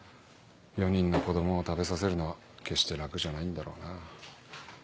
４人の子供を食べさせるのは決して楽じゃないんだろうな。